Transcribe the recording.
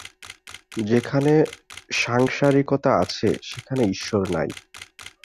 যেখানে সাংসারিকতা আছে, সেখানে ঈশ্বর নাই।